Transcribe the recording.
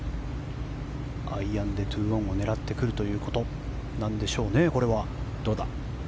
アイアンで２オンを狙ってくるということなんでしょうね。